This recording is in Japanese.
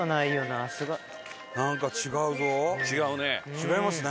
違いますね。